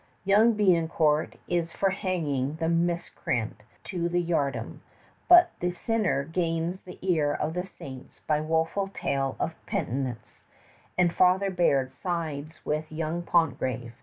Young Biencourt is for hanging the miscreant to the yardarm, but the sinner gains the ear of the saints by woeful tale of penitence, and Father Biard sides with young Pontgravé.